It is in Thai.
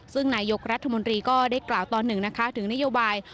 ซึ่งนายกรัฐมนตรีก็ได้กล่าวตอนหนึ่งนะคะถึงนโยบาย